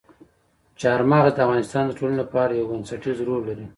چار مغز د افغانستان د ټولنې لپاره یو بنسټيز رول لري.